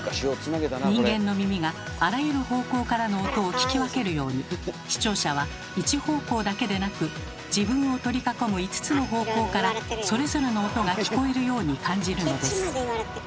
人間の耳があらゆる方向からの音を聞き分けるように視聴者は一方向だけでなく自分を取り囲む５つの方向からそれぞれの音が聞こえるように感じるのです。